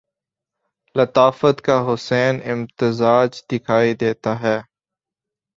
لطافت کا حسین امتزاج دکھائی دیتا ہے